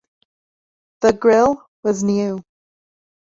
The grille was new.